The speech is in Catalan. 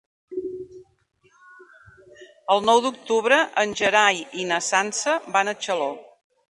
El nou d'octubre en Gerai i na Sança van a Xaló.